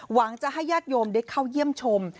หวังจะให้ญาติโยมได้เข้าเยี่ยมชม